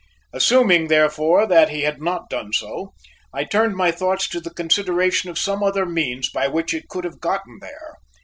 Assuming, therefore, that he had not done so, I turned my thoughts to the consideration of some other means by which it could have gotten there.